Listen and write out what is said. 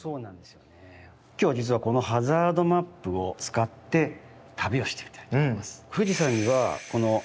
今日は実はこのハザードマップを使って旅をしてみたいと思います。